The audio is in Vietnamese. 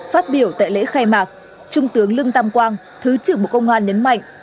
phát biểu tại lễ khai mạc trung tướng lương tam quang thứ trưởng bộ công an nhấn mạnh